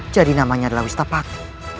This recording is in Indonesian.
jadi namanya adalah wisapati